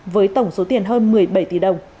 với tổng số tiền hơn một mươi bảy tỷ đồng